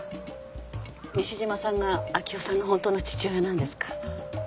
西島さんが明生さんのホントの父親なんですか？